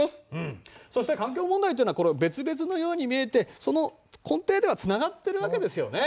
そして環境問題っていうのは別々のように見えてその根底ではつながっているわけですよね。